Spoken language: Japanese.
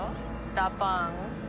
ダパーン。